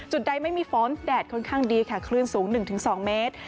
จุดใดไม่มีฝนแดดค่อนข้างดีค่ะคลื่นสูงหนึ่งถึงสองเมตร